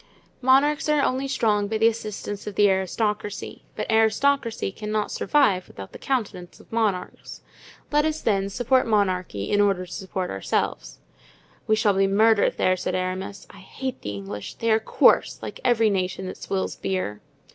Monarchs are only strong by the assistance of the aristocracy, but aristocracy cannot survive without the countenance of monarchs. Let us, then, support monarchy, in order to support ourselves. "We shall be murdered there," said Aramis. "I hate the English—they are coarse, like every nation that swills beer."